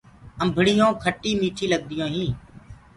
امڀڙيون کٽي ميٺي لگديٚونٚ هينٚ۔